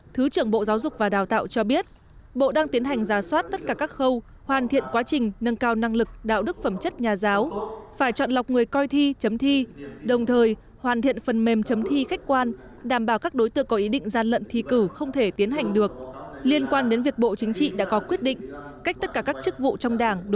thứ trưởng bộ giáo dục và đào tạo nguyễn hữu độ cho biết sẽ có vùng cấm trong xử lý sai phạm các trường hợp vi phạm sẽ bị xử lý nghiêm